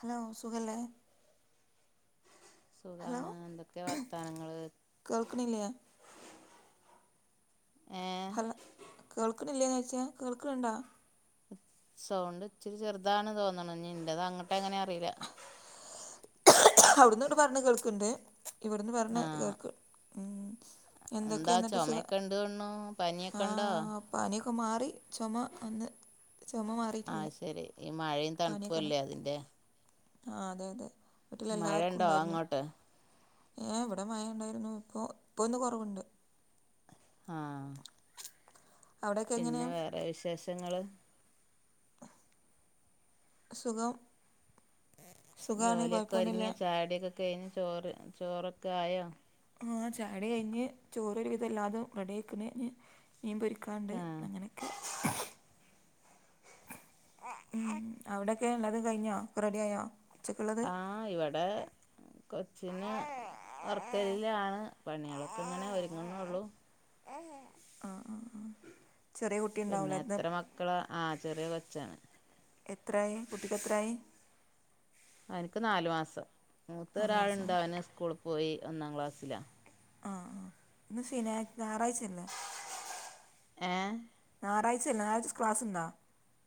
Hello സുഖല്ലേ hello സുഖാണ് എന്തൊക്കെ വർത്താനങ്ങള്? കേൾക്കണില്ലേ ഏ ഹലോ കേൾക്കണില്ലേന്ന് ചോയിച്ചേ കേൾക്ക്ണ്ടോ സൗണ്ട് ഇച്ചിരി ചെറുതാണ് തോന്നണു, ഇന്റെത് അങ്ങട്ട് എങ്ങനെ അറീല. അവിടന്ന് ഇങ്ങട്ട് പറണത് കേൾക്കണ്ട് ഇവിടുന്ന് ആ പറണത് കേൾക്ക്. എന്താ എന്തൊക്കെ ന്നട്ട് സുഖ ചുമയൊക്കെ ഉണ്ട് തോന്നണു പനിയൊക്കെ ഉണ്ടോ ആഹ് പനിയൊക്കെ മാറി. ചുമ ഒന്ന് ചുമ ആ മാറിട്ടില്ല. ശരി ഈ മഴയും തണുപ്പും പനിക്ക്ണ് അല്ലേ അതിന്റെ ആ അതെ അതെ മഴ ഉണ്ടോ ഉണ്ടായിരുന്നു അങ്ങോട്ട് ഏ ഇവിടെ മയ ഉണ്ടായിരുന്നു ഇപ്പോ ഇപ്പോന്ന് കൊറവ്ണ്ട് ആഹ് അവിടെയൊക്കെ എങ്ങനെ പിന്നെ വേറെ വിശേഷങ്ങള് സുഖം സുഖമാണ് ജോലിയൊക്കെ ഒര്ങ്ങിയ കുഴപ്പമൊന്നുമില്ല ചായോടിയൊക്കെ കഴിഞ്ഞ് ചോറ് ചോറൊക്കെ ആയോ ആഹ ചായോടി കഴിഞ്ഞ് ചോറൊരു വിധം എല്ലാതും റെഡി ആയ്ക്ക്ണ് ഇഞ് മീൻ പൊരിക്കാണ്ട് ആ അങ്ങനൊക്കെ ഉം അവിടെയൊക്കെ എല്ലതും കഴിഞ്ഞോ ഒക്കെ റെഡി ആയോ ഉച്ചക്കുള്ളത് ആഹ് ഇവടെ കൊച്ചിനെ ഒർക്കലിലാണ് പണികളൊക്കെ ഇങ്ങനെ ഒരുങ്ങണള്ളു ആ ആ ആ ചെറിയ കുട്ടി പിന്നെ ഉണ്ടാവില്ലേ ഇന്ന് എത്ര മക്കളാ ആ ചെറിയ കൊച്ചാണ് എത്രയായി കുട്ടിക്ക് എത്രയായി അവൻക്ക് നാല് മാസം മൂത്ത നാല് ഒരാളുണ്ട് മാസമോ അവന് സ്കൂളിൽ പോയി ഒന്നാം ക്ലാസ്സിലാ ആ ആ ഇന്ന് ശനി ഞായറാഴ്ചയല്ലേ ഏ ഞായറാഴ്ചല്ലേ ഞായറാഴ്ച ക്ലാസ്ണ്ടാ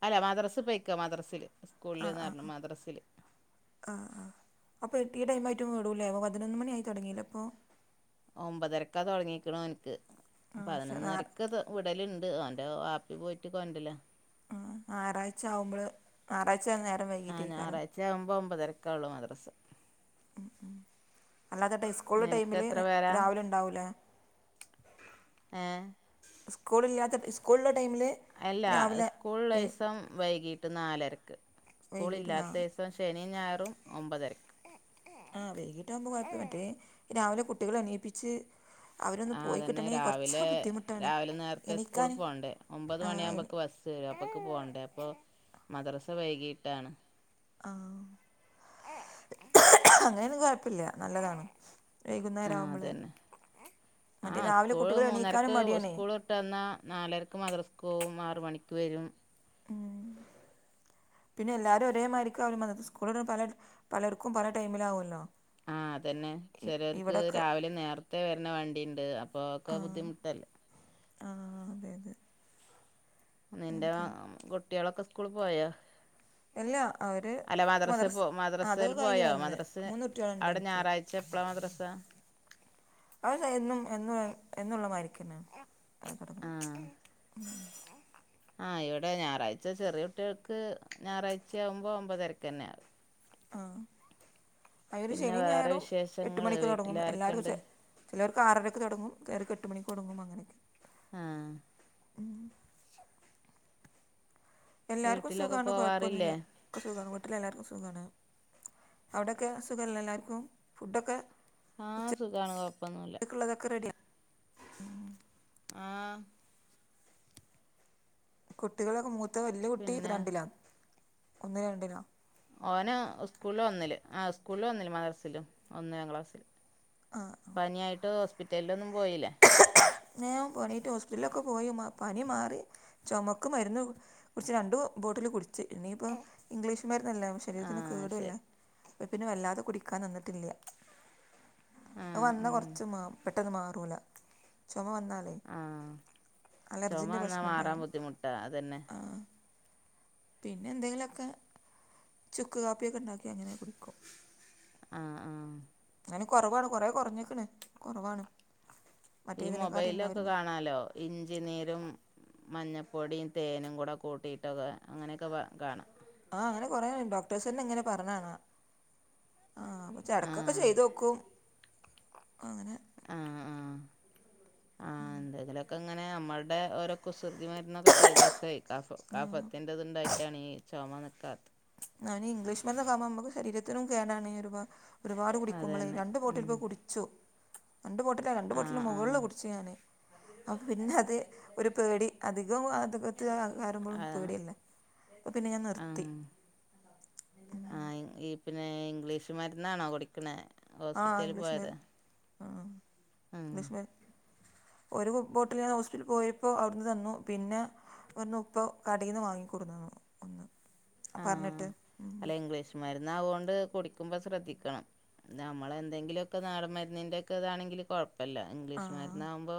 അല്ല മദ്രസിൽ പോയിക്ക മദ്രസില് ആ സ്കൂളില്ന്ന് ആ പറഞ്ഞ ആ മദ്രസില് ആ ആ അപ്പൊ ഈ ടൈം ആയിട്ടും വിടൂല്ലേ അ പതിനൊന്ന് മണിയായി തുടങ്ങില്ല ഇപ്പോ ഒമ്പതരക്കാ തുടങ്ങിക്ക്ണ ഓൻക്ക് ആ പക്ഷേ ഞായർ പതിനൊന്നരക്ക് അത് വിടലുണ്ട് ഓൻ്റെ വാപ്പി പോയിട്ട് കൊണ്ട്രലാ ഞാറാഴ്ച ആവുമ്പൾ ഞാറാഴ്ച നേരം വൈകീട്ടേക്കാരം ഇഞ്ഞ് ഒമ്പത് ഒമ്പതരക്ക് ഒള്ളൂ മദ്രസ്സ് അല്ലാതെ ടൈ സ്കൂള് നിനക്ക് ടൈമിൽ എത്ര പേരാ രാവിലെ ഇണ്ടാവൂലെ ഏ സ്കൂളില്ലാത്ത സ്കൂൾള്ള ടൈമിൽ അല്ല രാവിലെ സ്കൂൾ ഇള്ള ദിവസം വൈകീട്ട് നാലരക്ക് സ്കൂൾ വൈകിട്ടില്ല ഇല്ലാത്ത ശനിം ഞായറും ഒമ്പതരയ്ക്ക് ആ വൈകീട്ടാകുമ്പോൾ കുഴപ്പം മറ്റേ രാവിലെ കുട്ടികളെ എണീപ്പിച്ച് അവരൊന്ന് പോയി അതന്നെ കിട്ടണമെങ്കിൽ കുറച്ച് രാവിലെ ബുദ്ധിമുട്ടാണ് രാവിലെ നേരത്തെ എണീക്കാൻ സ്കൂളിൽ പോകണ്ടേ ഒമ്പത് ആ മണിയ എണീ ആകുമ്പോക്ക് ബസ് ബസ് വരും അപ്പക്ക് പോവണ്ടേ അപ്പൊ മദ്രസ വൈകിട്ടാണ് ആ ആഹ അങ്ങനെയാണെ കൊഴപ്പില്ല നല്ലതാണ് വൈകുന്നേരം ആ ആവുമ്പളേ അതന്നെ മറ്റേ രാവിലെ കുട്ടികൾ എണീക്കാനും മടിയാണേ ട്ടെന്നാ നാലരക്ക് മദ്രസ്ക്ക് പോകും ആറ് മണിക്ക് വരും ഉം പിന്നെ എല്ലാരും ഒരേമാതിരിക്ക അവുമ്പം അ സ്കൂൾത് പല പലർക്കും പല ടൈമിലാവുല്ലോ ആ അതന്നെ ചിലർക്ക് രാവിലെ നേരത്തെ വരണ വണ്ടിയുണ്ട് അപ്പൊ ഒക്കെ ആ ബുദ്ധിമുട്ടല്ലേ ആ അതെ അതെ നിന്റെ അങ്ങനത്തെ കുട്ടികളൊക്കെ സ്കൂൾ പോയോ അല്ല അവര് അല്ല മദ്രസിൽ മദ്രസ് പോ അത് മദ്രസൽ കഴിഞ്ഞ് പോയോ വന്ന് മദ്രസ് മൂന്ന് കുട്ടികളുണ്ട് അവിടെ എനിക്ക് ഞായറാഴ്ച എപ്പളാ മദ്രസ്സ അഹ് എന്നും എന്നും എന്നുള്ള മാരിക്കെന്നെ അഹ് തുടങ്ങുന്നത് ആ ഇവിടെ ഞായറാഴ്ച ചെറിയ കുട്ടികൾക്ക് ഞായറാഴ്ചയാവുമ്പോൾ ഒൻമ്പതരക്ക് തന്നെ ആകും ആ അയ്ന് ഇത് പിന്നെ ശനിം വേറെ ഞായറും എട്ട് വിശേഷങ്ങള് മണിക്ക് തുടങ്ങും എല്ലാവരും വീട്ടിലാരൊക്കെണ്ട് ചിലർക്ക് ആറരക്ക് തുടങ്ങും ചേലോർക്ക് എട്ട് മണിക്ക് തുടങ്ങും അങ്ങനൊക്കെ ആഹ് എല്ലാർക്കും വീട്ടിലൊക്കെ സുഖമാണ് കൊഴപ്പൊന്നുല്ല പോവാറില്ലേ സുഖമാണ് വീട്ടിലെല്ലാവർക്കും സുഖമാണ് അവിടെയൊക്കെ സുഖമല്ലേ എല്ലാവർക്കും ഫുഡൊക്കെ ഹ് സുഖാണ് കോഴപ്പോന്നുല്ല ഉച്ചയ്ക്കുള്ളതൊക്കെ റെഡിയാണ് ആഹ് കുട്ടികളോക്കെ മൂത്ത വല്ലിയ കുട്ടി പിന്നെ രണ്ടിലാ ഒന്ന് രണ്ടിലാ ഓന് സ്കൂള്ൽ ഒന്നില് ആഹ് സ്കൂള്ൽ ഒന്നില് മദ്രസിലും ഒന്നാം ക്ലാസ്സിൽ ആഹ് പനിയായിട്ട് ഹോസ്പിറ്റലിലോന്നും പോയില്ലെ ഞാൻ പനിയായിട്ട് ഹോസ്പിറ്റലോക്കെ പോയി വന്ന പനി മാറി ചോമക്ക് മരുന്ന് കുടിച്ച് രണ്ടു ബോട്ടിൽ കുടിച്ച് ച്ചി പിന്നെയിപ്പോ ഇംഗ്ലീഷുമര്ന്നല്ലെ ശരീരത്തിന് ആഹ് കെടും അല്ലെ ശരി അപ്പോ പിന്നെ വല്ലാതെ കുടിക്കാൻ നിന്നിട്ടില്ല അഹ് ആഹ് വന്ന ആഹ് കുറച്ച് ചുമാ പെട്ടെന്ന് മാറൂല ചുമ വന്നാലെ ആഹ് ചുമ വന്നാ മാറാൻ ഉണ്ടായതാണ് ബുദ്ധിമുട്ടാ അതന്നെ ആ പിന്നെ എന്തെങ്കിലോക്കെ ചുക്ക് കാപ്പിയോക്കെ ഉണ്ടാക്കി അങ്ങനെ കുടിക്കു ആഹ് ആഹ് അങ്ങനെ കോറവാണ് കോറെ കോറഞ്ഞ്ക്കണ് കോറവാണ് ഈ മോബൈലോക്കെ കാണാലോ ഇഞ്ചിനീരും മഞ്ഞപ്പോടിയും തെനും കൂടെ കൂട്ടിയിട്ടോക്കെ അങ്ങനെയോക്കെ കാണാം ആഹ് അങ്ങനെ കോറെണ്ട് ഡോക്ടേഴ്സ്സെന്നെ ഇങ്ങനെ പറഞ്ഞയാണ് ആഹ് അപ്പോ ആ ഐടക്കോക്കെ ചെയ്തു നോക്കും അങ്ങനെ അഹ് അഹ് ആഹ് ആഹ് എന്തെങ്കിലുമോക്കെ ഇങ്ങനെ നമ്മൾടെ ഓരോ കുസൃതി മരുന്നോക്കെ ചെയ്തു നോക്കായി കഫ ആ കഫത്തിന്റെ ഉണ്ടായിട്ടാണ് ഈ ചുമ നിൽക്കാത്ത ഞാൻ ഈ ഇംഗ്ലീഷ് മര്ന്നോക്കെ ആവുമ്പോ മ്മക്കും ശരീരത്തിനും കെടാണ് ഒരുപാട് അത് കുടിക്കുമ്പോളെ തന്നെ രണ്ട് ബോട്ടിൽ ഉം. ഇപ്പോ കുടിച്ചു രണ്ട് ബോട്ടിൽ രണ്ടു ആ ബോട്ടിൽന്റെ ആ മുകൾല് കുടിച്ച് ഞാൻ അപ്പ പിന്നെ അത് ഒരു പെടി അധികം അത് അകത്ത് കയറുമ്പോളും ആ പെടിയല്ലെ അപ്പോ പിന്നെ ഞാൻ നിർത്തി ആഹ് ഈ പിന്നെ ഇംഗ്ലീഷ് മരുന്നാണോ കുടിക്ക്ണെ ആ ഹോസ്പിറ്റല് ഇംഗ്ലീഷ് പോയത് മരുന്ന് ആ ഉം. ഒരു ബോട്ടിൽ ഞാൻ ഹോസ്പിറ്റൽ പോയപ്പോ അവിടുന്ന് തന്നു പിന്നെ ഒന്ന് ഉപ്പ കടെന്ന് വാങ്ങികോടുന്നു തന്നു ഒന്ന് പറഞ്ഞിട്ട് ഉം മരുന്നാവുകോണ്ട് കുടിക്കുമ്പോ ശ്രദ്ധിക്കണം നമ്മളെ എന്തെങ്കിലോക്കെ നാടൻ മര്ന്നിന്റെ ഒക്കെ ഇതാണെങ്കിൽ കോഴപ്പ് പ്പല്ല ഇംഗ്ലീഷ് ആഹ് മര്ന്ന് ആകുമ്പോ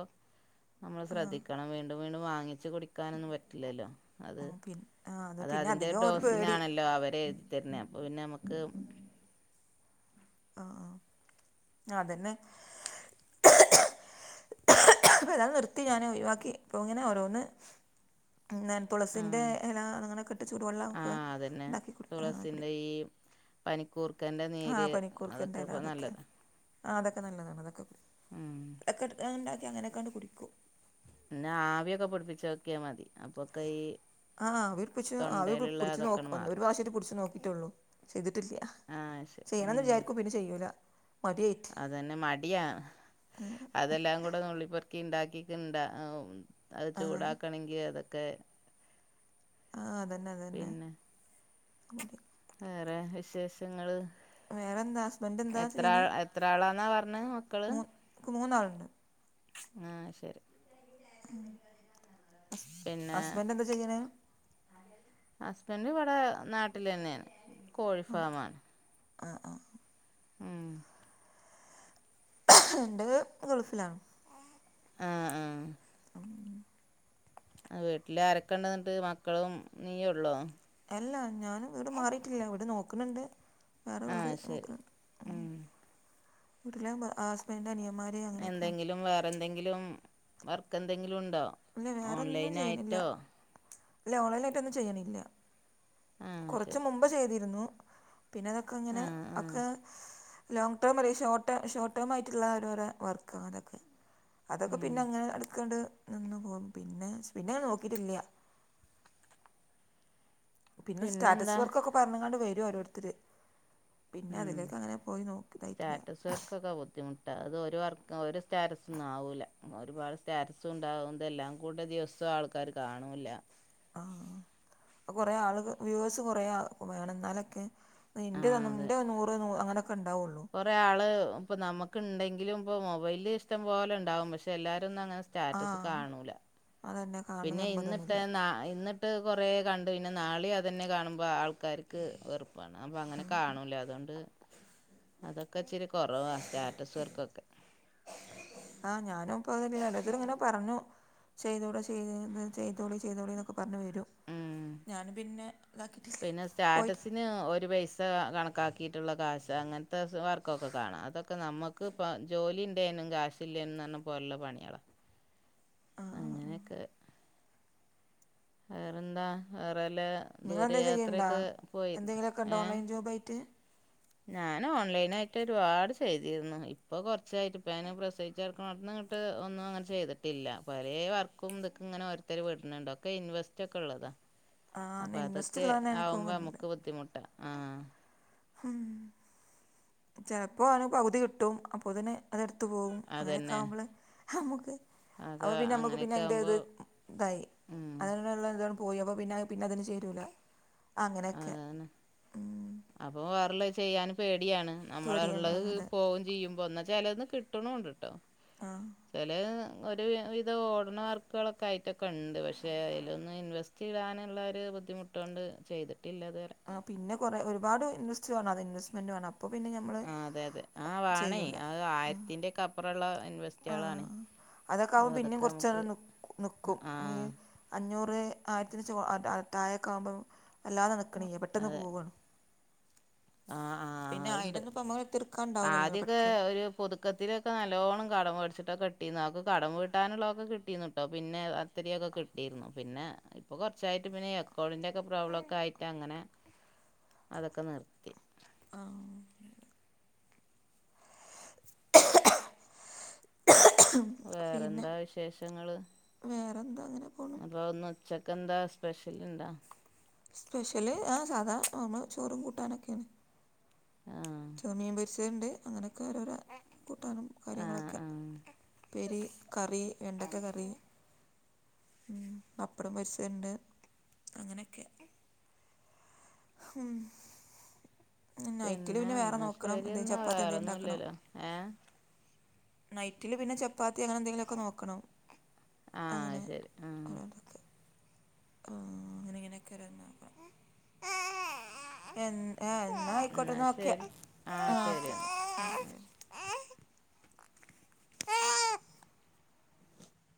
നമ്മൾ ആഹ് ശ്രദ്ധിക്കണം വീൻ വീണ്ടും വീണ്ടും വാങ്ങിച്ച് കുടിക്കാനോന്നും പറ്റില്ലല്ലോ അത് മ് പിൻ ആഹ് അതെ പിന്നെ അധികം ഒരു പെടി ല്ല അവര് തരുന്നേ അപ്പോ പിന്നെ ന്നമ്മക്ക് ആഹ് ആഹ് അത് തന്നെ ഞാൻ നിർത്തി ഞാൻ ഒഴിവാക്കി ഇപ്പോ ഇങ്ങനെ ഓരോന്ന് പിന്നെ തുളസിൻ്റെ ആഹ് എല അങ്ങനോക്കെട്ട് ചൂടുവെള്ളം ഒക്കെ ആഹ് അതന്നെ ഉണ്ടാക്കി കുടിക്കും അഹ് തുളസിൻ്റെ കുടിക്കും ഈ പനിക്കൂർക്കൻ്റെ ആഹ് നീര് പനിക്കൂർക്കൻ്റെ അതോക്കെ എല ഇപ്പോ അതൊക്കെ നല്ലതാ ആഹ് അതോക്കെ നല്ലതാണ് അതോക്കെ കുടി ഉം ഒക്കെണ്ടാക്കി അങ്ങനെക്കാണ്ട് കുടിക്കും പിന്നാ ആവിയോക്കെ പിടിപ്പിച്ചോക്കിയാ മതി അപ്പോക്കെ ഈ ആഹ് ആവി പിടിപിച്ച് ആവി പ് തൊണ്ടയിലുള്ള പിടിച് നോക്ക് അതൊക്കെയങ്ങട് ഒരു മാറും പ്രാവശ്യട്ട് പിടിച്ച് നോക്കിട്ടെള്ളു ചെയ്തിട്ടില്ല ആഹ് ശെരി ഉം വിജാരിക്കും പിന്നെ ചെയ്യൂല്ല അതന്നെ മടിയാ അതെല്ലാം കൂ ടെ നുള്ളിപെർക്കി ഇണ്ടാക്കിക്ക്‌ണ്ട അത് ആ ചൂടാക്കണങ്കി അതൊക്കെ ആഹ് അതന്നെ അതന്നെ [unintelligible] വെറെ വിശേഷങ്ങള് വേറെന്താ ഹസ്ബൻഡ് എന്താ എത്രാ ചെയ്യണേ എത്രാളാന്നാ പറഞ്ഞ് മക്കള് മൂ എനിക്ക് മൂന്നാളുണ്ട് ആഹ് ശരി ഉം പിന്നേ ഹസ്ബൻഡ് ഇവടെ നാട്ടിലെന്നേണ് തന്നെയാണ് കോഴിഫാമാണ് അഹ് ആഹ് ഉം എന്റെത് ഗൾഫിലാണ് ആഹ് ആഹ് ഉം. അ വീട്ടില് ആരൊക്കെ ണ്ട്ന്നിട്ട് മക്കളും നീയൊള്ളോ അല്ല ഞാനും വീട് മാറിട്ടില്ല വീട് നോക്ക്‌ണ് ണ്ട് ആഹ് ശരി ഉം വീട്ടിലാവുമ്പോ ആസ്ബെന്റെ അനിയമാര് എന്തെങ്കിലും വേറെന്തെങ്കിലും വർക്ക് എന്തെങ്കിലും ഉണ്ടോ ഇല്ല വേറെ ഒന്നും ഓൺലൈൻ ചെയ്യണില്ല ആയിട്ടോ ഇല്ല ഓൺലൈലായിട്ട് എന്നും ചെയ്യണില്ല ആഹ് കുറച്ച് ശരി മുമ്പ് മ്പേ ചെയ്യ്‌തിരുന്നു പിന്നെ അതൊക്കെങ്ങനെ ആഹ് ആഹ് ഒക്കെ ലോങ്ങ് ടേം അരെ ഈ ഷോർട്ടേ ഷോർട്ട് ടേം ആയിട്ടുള്ള ഓരോരെ വർക്ക് അതൊക്കെ അതൊക്കെ ഉം പിന്നെ അങ്ങനെ എടക്ക്‌ണ്ട് നിന്നു പോകും. പിന്നെ പിന്നെ ഞാൻ നോക്കിട്ടില്ല്യ പിന്നെ സ്റ്റാറ്റസ് പിന്നെന്താ വർക്കൊക്കെ പറഞ്ഞ് ങ്ങാണ്ട് വരും ഓരോരുത്തര് പിന്നെ ഉം അതിലേക്ക് അങ്ങനെ പോയി നോക്കി ഇതായിട്ടില്ല പ്പൊ ക്കെ [unintelligible] ട്ട അത് ഒരു വർക്കും ഒരു സ്റ്റാറ്റസൊന്നും ആവൂല്ല ഒരുപാട് സ്റ്റാറ്റസു ഉണ്ടാവുന്നതെല്ലാം കൂടെ ദിവസോ ആള് ക്കാര് കാണുല്ല ആഹ് അഹ് അകൊറേ ആളുക വ്യൂവേഴ്സ് കുറേ ആ വേണം ന്നാലൊക്കെ ന്നിന്റെത് ആഹ് അതെ ന്റെ നൂറ് നൂ അങ്ങനെയൊക്കെ ഉണ്ടാവുള്ളൂ കൊറേ ആള് ഇപ്പോ നമക്ക് ഇണ്ടങ്കിലും ഇപ്പോൾ മൊബൈല് ഇഷ്ടം പോലെ ഉണ്ടാാവും പക്ഷെ എല്ലാരും ഒന്നും അങ്ങനെ സ്റ്റാറ്റസ് ആഹ് കാണൂല അതന്നെ കാണണം പിന്നെ ഇന്നിട്ടേ നിർബന്ധമൊന്നുമില്ല നാ ഇന്ന് ട്ട് കൊറേ കണ്ട് പിന്നെ നാളെ അത് തന്നെ കാണുമ്പോൾ ആൾക്കാർക്ക് വെറു വണം അമ്പോ അങ്ങനെ ഉം. കാണുല്ല അതുകൊണ്ട് അതൊക്കെ ഇച്ചിരി കൊറവാ സ്റ്റാറ്റസ് വർക്കൊക്കെ ആഹ് ഞാനും ഇപ്പ അത് തന്നെ ഓരോരുത്തര് ഇങ്ങനെ പറഞ്ഞു ചെയ്യതുടെ ചെയ് ത് ചെയ്തോളി ചെയ്തോളി ന്നൊക്കെ പറഞ്ഞ് വരും ഉം ഞാനും പിന്നെ ഇതാക്കിട്ടില്ല പോയിട്ട് ന് ഒരു പൈസ കണക്കാക്കിയിട്ടുള്ള കാശ് അങ്ങനത്തെ വർക്ക് ഒക്കെ കാണാം അതൊക്കെ നമ്മ ഇക്ക് പ ജോലി ഉണ്ടേനും കാശ് ല്ലേനും ന്നറഞ്ഞാ പോലുള്ള പണികളാ [inaudible] ആഹ് ആഹ് അങ്ങനെക്കെ വേറെന്താ വേറെല്ല നിങ്ങളെന്തേലും ദൂരയാത്രയൊക്കെ പോയിരിന്നാ ഏഹ് ഒബൈറ്റ് ഞാന് ഓൺലൈൻ ആയിട്ട് ഒരുപാട് ചെയ്യതിരുന്നു. ഇപ്പൊ കൊറച്ചായിട്ട് ഇപ്പ ഞാന് പ്രസവി ചെട്ക്കണോട്ത്ത്ന്ന് ങ്ങട്ട് ഒന്നും അങ്ങനെ ചെയ്തിട്ടില്ല പരേ വർക്കും ഇതക്കങ്ങനെ ഓരോരുത്തര് വിടുന്നുണ്ട് ഒക്കെ ഇൻവെസ് സ്റ്റൊക്കെള്ളതാ [inaudible] അപ്പ ഇൻട്രസ്റ്റ് അതൊക്കെ ഉള്ളതന്നെ എനിക്കും ആവുമ്പോ വരുന്നില്ല അമ്മക്ക് ബുദ്ധിമുട്ടാ ആഹ് ഹും ചെലപ്പോ ഓരോ പകുതി കിട്ടും അപ്പോത്തിന് അതെടുത്ത് പോകും അങ്ങനെയൊക്കെ അതന്നെ. ആവുമ്പള് ഹമ്മുക്ക് അപ്പ അതൊ പിന്നെ അമ്മക്ക് പിന്നെ അങ്ങനെയൊക്കെ എന്ത് ആവുമ്പോ ഇത് ഇതായി ഉം അതിനോള്ള [unintelligible] പോയി അപ്പോ പിന്നെ പിന്നെ അതിന് ചേരുല്ല അങ്ങനെക്കെ അപ്പോ വേറെല്ല ചെയ്യാൻ പേടിയാണ് നമ്മള് പേടിയാണ് ഇള്ളത് അതെ പോകും ചെയ്യും എന്നാ ചെലത് നിക്ക് കിട്ടണോണ്ട്ട്ടോ ആഹ് ചെല് ഒരു വിധം ഓടണ വർക്കുകളൊക്കെ ആയിട്ടൊക്കെ ഇണ്ട് പഷേ അയിലൊന്ന് ഇൻവെസ് റ്റിടാന്ള്ള് രു ബുദ്ധിമുട്ടുകോണ്ട് ചെയ്തിട്ടില്ലതുവരെ ആഹ് പിന്നെ കൊറെ ഒരുപാട് ഇൻവസ്റ്റ്‌വേണം അത് ഇൻവെസ്റ്റ്‌മേന്റ് വേണം അപ്പോൾ പിന്നെ നമ്മൾ ആഹ് അതെ അതെ ആഹ് വാണേ ചെയ്യൂല ആഹ് ആയിരത്തിന്റെക്കെപ്പറോള്ള ഇൻവെസ് ആഹ് അതൊക്കെ ആകുമ്പോ പിന്നെയും നമുക്ക് കൊറച്ചാള് നി നിക്കും ആ നി അഞ്ഞൂറ് ആയിരത്തിന് [unintelligible] താഴൊക്കമ്പം എല്ലാ നടക്കണിയാ പെട്ടന്ന് അതെ പോവാണ് ആ ആ പിന്നെ അതുണ്ട് ആയിരോന്നും ഇപ്പമ്മള് തീർക്കാണ്ടാവില്ലല്ലോ പെട്ടെന്ന് പൊതുക്കത്തിലൊക്കെ നല്ലോണ്ണം കടം മേടിച്ചിട്ടാ കെട്ടിന്ന് അവക്ക് കടം വീട്ടാനുള്ളതൊക്കെ കിട്ടിനെട്ടോ പിന്നെ ഒത്തിരിയൊക്കെ കിട്ടിന്നു പിന്നെ ഇപ്പോ കൊറച്ചായിട്ട് പിന്നെ എക്കൗണ്ടിൻ്റെയൊക്കെ പ്രോബ്ലക്കെ ആയിട്ട് അങ്ങനെ അതൊക്കെ നിർ ത്തി ആഹ് [unintelligible] പിന്നെ വേറെന്താ വേറെന്താ അങ്ങനെ പോ അപ്പോ ഇന്ന് ഉച്ചക്ക് എന്താ സ്പെഷ്യല് ഇണ്ടാ സ്പെഷ്യല് ആഹ് സാധാ നമ്മള ചോറും കൂട്ടാനൊക്കെയാണ് ആഹ് ചുമ്മിൻ പൊറിച്ചത്ണ്ട് അങ്ങനെക്കെ ഓരോര കൂട്ടാനും ആഹ് കാര്യങ്ങളൊക്കെ ആഹ് ഉപ്പേരി കറി വെണ്ടക്ക കറി ഉം പപ്പടം പെരിച്ചത്ണ്ട് അങ്ങനെക്കെ ഹും നൈറ്റില് പിന്നെ വേറെ എന്നാ നോക്കണം ശരി എന്താ എന്നാ ചപ്പാത്തി എന്തെ ണ്ടാക്കണം വേറൊന്നുംല്ലല്ലോ ഏഹ് നൈറ്റില് പിന്നെ ചപ്പാത്തി അങ്ങനെ എന്തെങ്കിലൊക്കെ നോക്കണോ ആഹ് അങ്ങനെ ശരി [inaudible] ആഹ് ആഹ്‌ അങ്ങനെ ഇങ്ങനെയൊക്കെ [unintelligible] എൻ എന്നാ എന്നാ ആയിക്കോട്ടെന്നാ ഓക്കെ ശരി ആഹ് ശരി ഓക്കെ ഓക്കെ എന്നാ